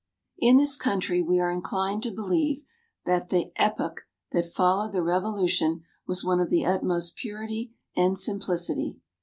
In this country we are inclined to believe that the epoch that followed the Revolution was one of the utmost purity and simplicity.